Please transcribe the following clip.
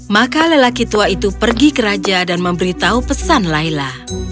maka lelaki tua itu pergi ke raja dan memberitahu pesan laila